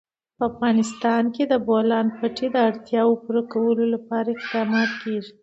په افغانستان کې د د بولان پټي د اړتیاوو پوره کولو لپاره اقدامات کېږي.